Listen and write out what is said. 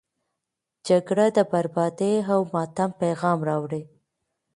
جګړه د بربادي او ماتم پیغام راوړي.